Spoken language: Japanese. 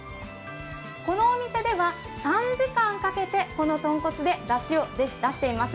このお店では、３時間かけてこの豚骨でだしを出しています。